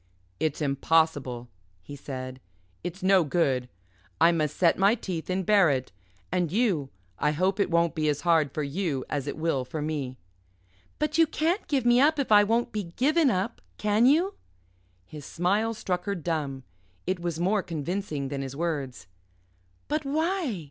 "It's impossible," he said, "it's no good. I must set my teeth and bear it. And you I hope it won't be as hard for you as it will for me." "But you can't give me up if I won't be given up, can you?" His smile struck her dumb. It was more convincing than his words. "But why?"